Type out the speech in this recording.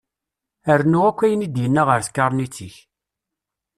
Rnu akk ayen i d-yenna ar tkaṛnit-ik.